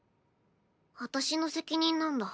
私の責任なんだ。